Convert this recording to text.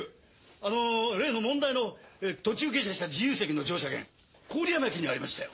あのー例の問題の途中下車した自由席の乗車券郡山駅にありましたよ。